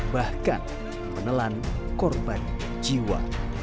bahkan menelan korban jiwa